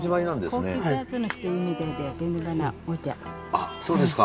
あそうですか。